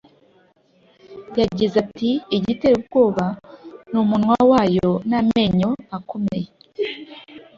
yagize ati “ Igiteye ubwoba ni umunwa wayo n’amenyo akomeye